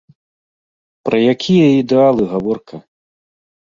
Пра якія ідэалы гаворка?